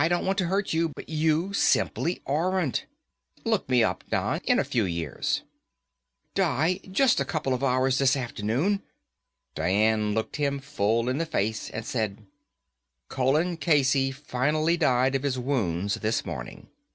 I don't want to hurt you, but you simply aren't. Look me up, Don, in a few years." "Di, just a couple of hours this afternoon." Dian looked him full in the face and said, "Colin Casey finally died of his wounds this morning.